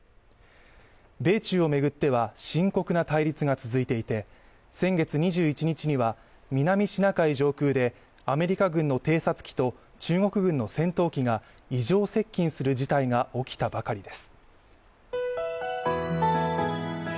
米中を巡っては深刻な対立が続いていて、先月２１日には、南シナ海上空で、アメリカ軍の偵察機と中国軍の戦闘機が異常接近する事態が起きたばかりです。